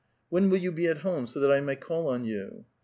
When will you be at home, so that 1 may call on you?"